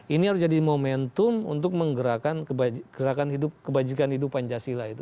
ini harus jadi momentum untuk menggerakkan gerakan kebajikan hidup pancasila itu